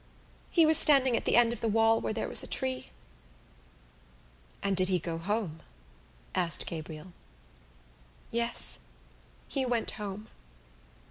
He was standing at the end of the wall where there was a tree." "And did he go home?" asked Gabriel. "Yes, he went home.